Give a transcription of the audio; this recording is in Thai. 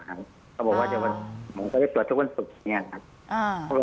เขาบอกว่าจะอ่าเขาเลยตรวจทุกวันศุกร์อย่างเนี้ยครับอ่า